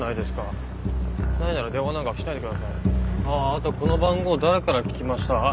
あとこの番号誰から聞きました？